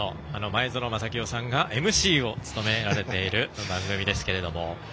前園真聖さんがＭＣを務められている番組ですけども。